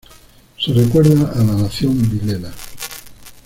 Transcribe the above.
Se recuerda a la nación vilela.